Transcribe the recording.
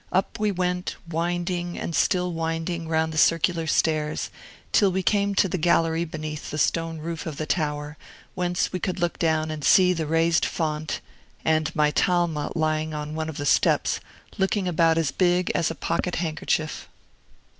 Up we went, winding and still winding round the circular stairs, till we came to the gallery beneath the stone roof of the tower, whence we could look down and see the raised Font, and my Talma lying on one of the steps, and looking about as big as a pocket handkerchief.